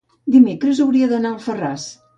dimecres hauria d'anar a Alfarràs.